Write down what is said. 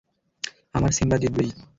আমার সিম্বা জিতবেই!